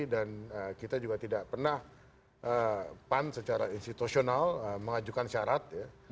dan kita juga tidak pernah pan secara institutional mengajukan syarat